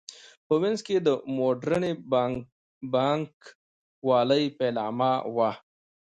په وینز کې د موډرنې بانک والۍ پیلامه وه.